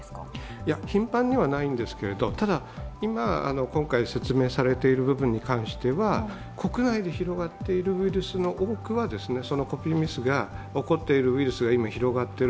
いや、頻繁にはないんですけど今回説明されている部分に関しては国内で広がっているウイルスの多くはコピーミスが起こっているウイルスが広がっている